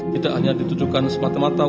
tidak hanya ditujukan semata mata